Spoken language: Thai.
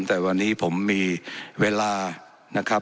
แต่วันนี้ผมมีเวลา